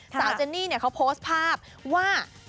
สาวเจนนี่เนี่ยเขาโพสต์ภาพว่า